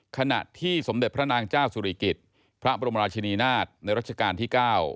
ขณะที่สมเด็จพระนางเจ้าสุริกิจพระบรมราชินีนาฏในรัชกาลที่๙